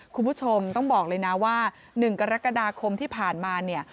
คุณผู้ชมต้องบอกเลยนะว่า๑กรกฎาคมที่ผ่านมาเนี่ย